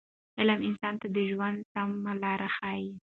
علم انسان ته د ژوند سمه لاره ښیي.